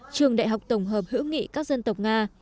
trường đại học tổng hợp hữu nghị các dân tộc nga